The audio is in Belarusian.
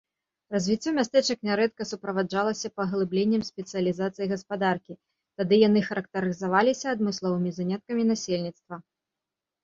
Развіццё мястэчак нярэдка суправаджалася паглыбленнем спецыялізацыі гаспадаркі, тады яны характарызаваліся адмысловымі заняткамі насельніцтва.